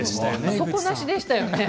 底なしでしたよね。